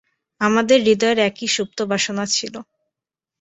আমাদের হৃদয়ের একই সুপ্তবাসনা ছিল।